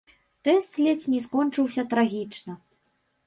Тэст ледзь не скончыўся трагічна.